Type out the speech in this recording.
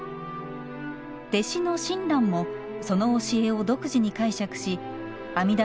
弟子の親鸞もその教えを独自に解釈し阿弥陀